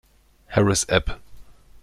Harris app.